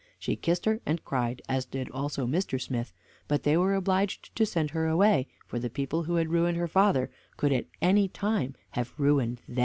She kissed her, and cried, as did also Mr. Smith; but they were obliged to send her away, for the people who had ruined her father could at any time have ruined them.